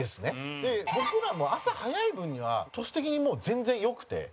で、僕らも朝早い分には年的に、もう、全然よくて。